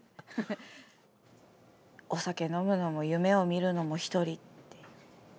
お酒のむのも夢を見るのもひとりって。